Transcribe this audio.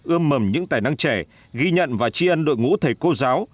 ươm mầm những tài năng trẻ ghi nhận và tri ân đội ngũ thầy cô giáo